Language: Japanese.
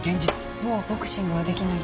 もうボクシングはできないって。